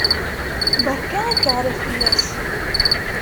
Berka akaɛrer fell-as!